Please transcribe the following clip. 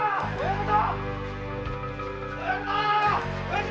親方！